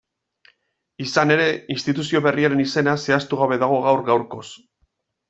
Izan ere, instituzio berriaren izena zehaztugabe dago gaur-gaurkoz.